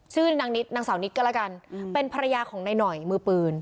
ชื่อนางนิดนางสาวนิดก็แล้วกันเป็นภรรยาของนายหน่อยมือปืน